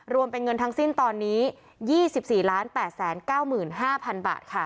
รวมเป็นเงินทั้งสิ้นตอนนี้๒๔๘๙๕๐๐๐บาทค่ะ